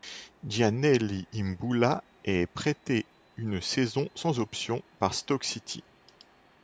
Giannelli Imbula, est prêté une saison sans option par Stoke City.